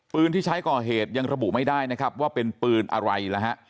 ปืนที่ใช้ก่อเหตุยังระบุไม่ได้นะครับว่าเป็นปืนอะไรนะฮะ